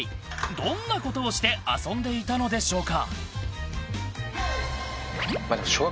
どんなことをして遊んでいたのでしょうか。